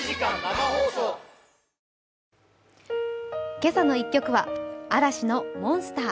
「けさの１曲」は嵐の「Ｍｏｎｓｔｅｒ」。